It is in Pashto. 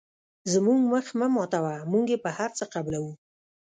زموږ مخ مه ماتوه موږ یې په هر څه قبلوو.